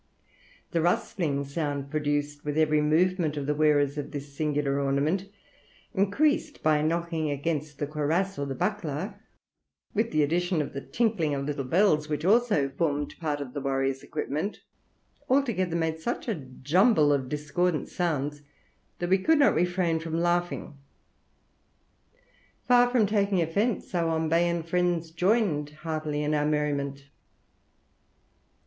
The rustling sound produced with every movement of the wearers of this singular ornament, increased by knocking against the cuirass or the buckler, with the addition of the tinkling of little bells, which also formed part of the warrior's equipment, altogether made such a jumble of discordant sounds that we could not refrain from laughing. Far from taking offence, our Ombayan friends joined heartily in our merriment.